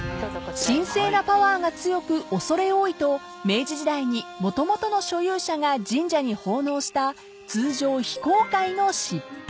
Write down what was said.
［神聖なパワーが強く畏れ多いと明治時代にもともとの所有者が神社に奉納した通常非公開の尻尾］